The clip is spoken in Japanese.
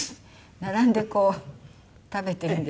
並んでこう食べているんです。